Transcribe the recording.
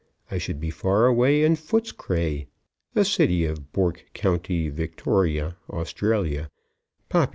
I should be far away in Footscray, a city of Bourke County, Victoria, Australia, pop.